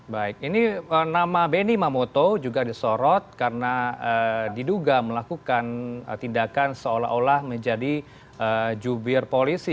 baik ini nama beni mamoto juga disorot karena diduga melakukan tindakan seolah olah menjadi jubir polisi